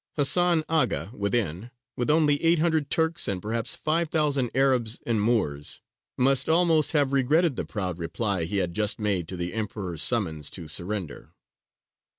Hasan Aga, within, with only eight hundred Turks, and perhaps five thousand Arabs and Moors, must almost have regretted the proud reply he had just made to the Emperor's summons to surrender.